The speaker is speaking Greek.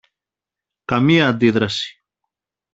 Καμιά αντίδραση